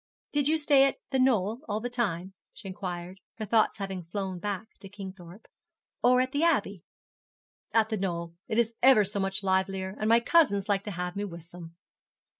'Did you stay at The Knoll all the time,' she inquired, her thoughts having flown back to Kingthorpe; 'or at the Abbey?' 'At The Knoll. It is ever so much livelier, and my cousins like to have me with them.'